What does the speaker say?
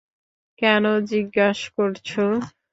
কেন জিজ্ঞাস করছ?